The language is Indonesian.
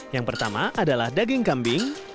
yang pertama adalah daging kambing